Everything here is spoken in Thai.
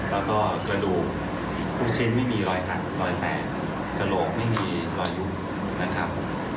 แล้วก็กระดูกทุกชิ้นไม่มีรอยหักรอยแตกกระโหลกไม่มีรอยยุบนะครับ